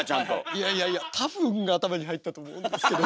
いやいやいや多分頭に入ったと思うんですけど。